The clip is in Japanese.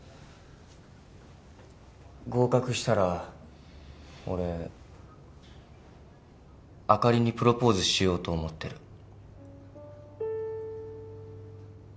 合格したら俺あかりにプロポーズしようと思ってる。